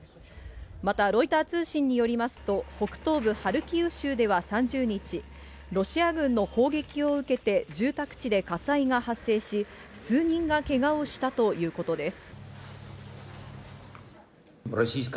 またロイター通信によりますと、北東部ハルキウ州では３０日、ロシア軍の砲撃を受けて、住宅地で火災が発生し、数人がけがをしたということです。